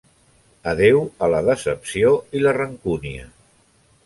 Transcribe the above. Adéu a la decepció i la rancúnia.